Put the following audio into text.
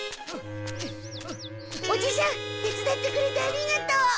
おじさん手つだってくれてありがとう。